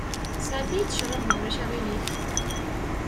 Sɛeddi-yi-d cṛab, ma ulac aɣilif.